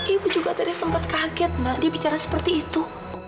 ibu juga tadi sempat kaget nggak dia bicara seperti itu